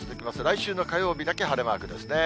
来週の火曜日だけ晴れマークですね。